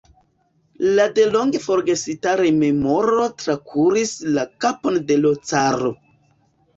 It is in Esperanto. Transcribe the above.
Ia delonge forgesita rememoro trakuris la kapon de l' caro.